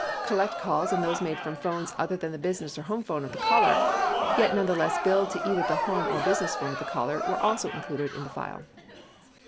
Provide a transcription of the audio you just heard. Collect calls and those made from phones other than the business or home phone of the caller, yet nonetheless billed to either the home or business phone of the caller, were also included in the file.